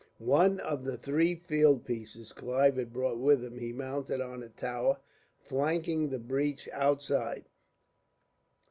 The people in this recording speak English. One of the three field pieces Clive had brought with him he mounted on a tower, flanking the breach outside.